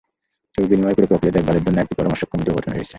ছবি বিনিময়ের পুরো প্রক্রিয়া দেখভালের জন্য একটি পরামর্শক কমিটিও গঠিত হয়েছে।